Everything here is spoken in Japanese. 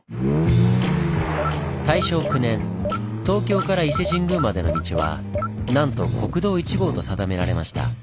大正９年東京から伊勢神宮までの道はなんと「国道１号」と定められました。